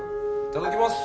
いただきます